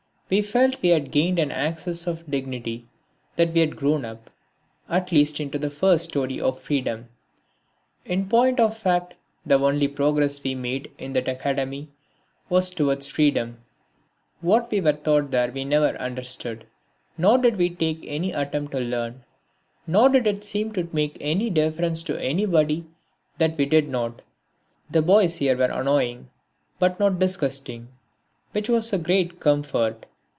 We felt we had gained an access of dignity, that we had grown up at least into the first storey of freedom. In point of fact the only progress we made in that academy was towards freedom. What we were taught there we never understood, nor did we make any attempt to learn, nor did it seem to make any difference to anybody that we did not. The boys here were annoying but not disgusting which was a great comfort.